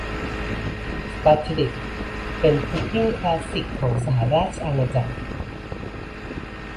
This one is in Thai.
สป็อททิด ดิก เป็นพุดดิ้งคลาสสิกของสหราชอาณาจักร